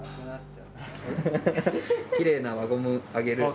きれいな輪ゴムあげる。